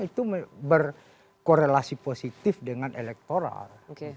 itu berkorelasi positif dengan elektoral